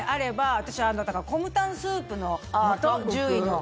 私はコムタンスープの素、１０位の。